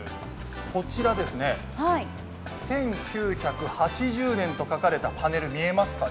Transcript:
こちら、１９８０年と書かれたパネルが見えますか。